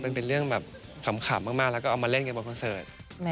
มันเป็นเรื่องแบบขำมากแล้วก็เอามาเล่นกันบนคอนเสิร์ต